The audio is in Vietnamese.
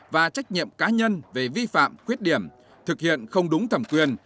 và trách nhiệm cá nhân về vi phạm khuyết điểm thực hiện không đúng thẩm quyền